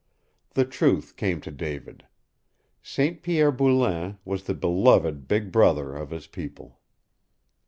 The truth came to David. St. Pierre Boulain was the beloved Big Brother of his people.